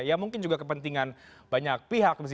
ya mungkin juga kepentingan banyak pihak